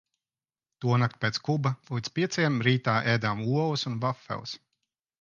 Tonakt pēc kluba līdz pieciem rītā ēdām olas un vafeles.